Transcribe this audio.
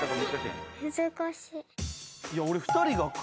俺２人が。